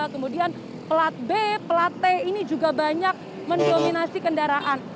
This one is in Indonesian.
kemudian pelat b pelat t ini juga banyak mendominasi kendaraan